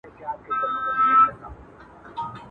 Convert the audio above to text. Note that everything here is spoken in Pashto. دعا ګوی وي د زړو کفن کښانو..